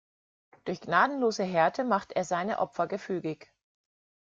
Durch gnadenlose Härte macht er seine Opfer gefügig.